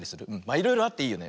いろいろあっていいよね。